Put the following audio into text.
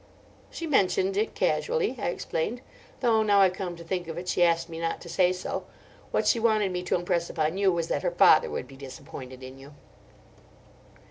"She mentioned it casually," I explained: "though now I come to think of it she asked me not to say so. What she wanted me to impress upon you was that her father would be disappointed in you."